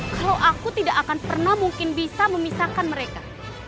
kalau aku tidak akan pernah mungkin bisa memisahkan mereka